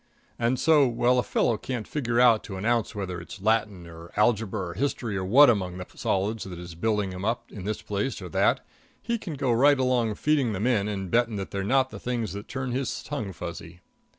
And so, while a fellow can't figure out to an ounce whether it's Latin or algebra or history or what among the solids that is building him up in this place or that, he can go right along feeding them in and betting that they're not the things that turn his tongue fuzzy.